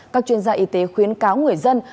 các chuyên gia y tế khuyến cáo người dân